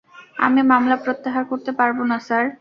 আমি মামলা প্রত্যাহার করতে পারব না, স্যার।